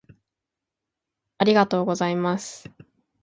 ありがとうございます